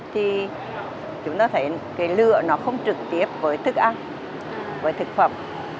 thì chúng ta thấy cái lửa nó không trực tiếp với thức ăn với thực phẩm